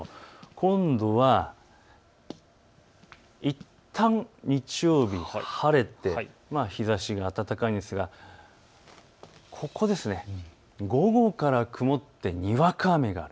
今度はいったん日曜日、晴れて日ざしが暖かいんですがここ、午後から曇ってにわか雨がある。